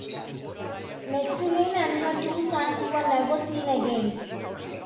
Melusine and her two sons were never seen again.